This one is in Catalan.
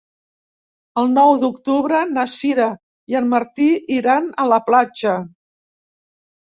El nou d'octubre na Sira i en Martí iran a la platja.